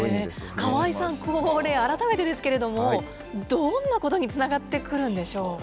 河合さん、これ、改めてですけれども、どんなことにつながってくるんでしょうか。